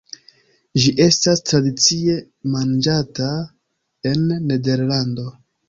Ĝi estas tradicie manĝata en Nederlando.